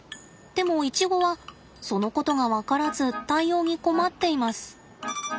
でもイチゴはそのことが分からず対応に困っています。